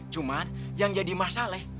cuman yang jadi masalah